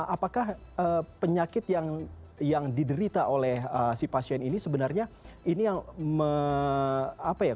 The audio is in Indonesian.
apakah penyakit yang diderita oleh si pasien ini sebenarnya ini yang apa ya